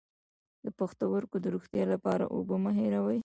د پښتورګو د روغتیا لپاره اوبه مه هیروئ